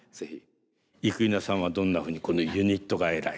生稲さんはどんなふうにこのユニット外来。